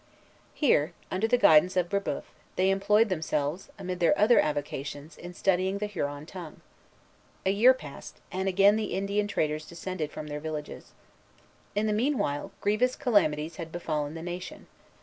Here, under the guidance of Brébeuf, they employed themselves, amid their other avocations, in studying the Huron tongue. A year passed, and again the Indian traders descended from their villages. In the meanwhile, grievous calamities had befallen the nation.